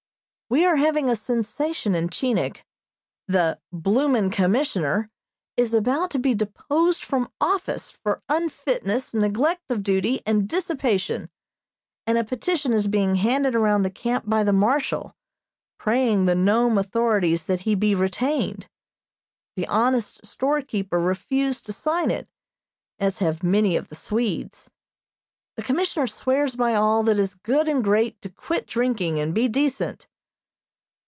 We are having a sensation in Chinik. The "bloomin' Commissioner" is about to be deposed from office, for unfitness, neglect of duty, and dissipation; and a petition is being handed around the camp by the Marshal, praying the Nome authorities that he be retained. The honest storekeeper refused to sign it, as have many of the Swedes. The Commissioner swears by all that is good and great to quit drinking, and be decent.